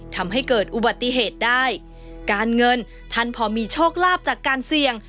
ทำให้เกิดอุบัติเหตุได้การเงินท่านพอมีโชคลาภจากการเสี่ยง